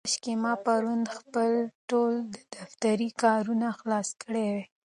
کاشکې ما پرون خپل ټول دفترې کارونه خلاص کړي وای.